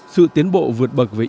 sự tiến bộ vượt bậc với y khóa